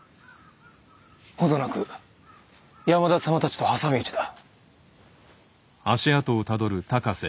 程なく山田様たちと挟み撃ちだ。